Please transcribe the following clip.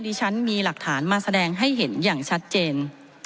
ดิฉันมีหลักฐานมาแสดงให้เห็นอย่างชัดเจน